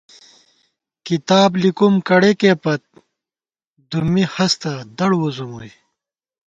کِتاب لِکوُم کڑِکے پت دُمّی ہستہ دڑ وُزُمُوئی